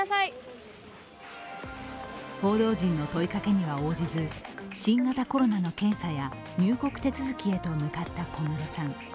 報道陣の問いかけには応じず、新型コロナの検査や入国手続きへと向かった小室さん。